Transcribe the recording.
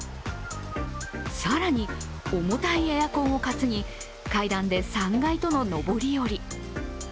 更に、重たいエアコンを担ぎ、階段で３階との上り下り。